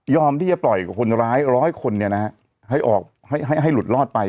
ย่อมที่จะปล่อยคนนร้าย๑๐๐คนเนี่ยนะให้ลุดรอดไป